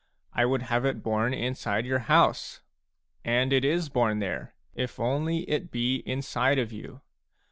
I would have it born in your house ; and it is born there, if only it be inside of you.